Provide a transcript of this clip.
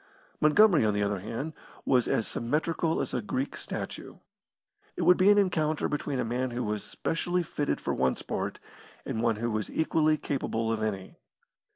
Montgomery, on the other hand, was as symmetrical as a Greek statue. It would be an encounter between a man who was specially fitted for one sport, and one who was equally capable of any.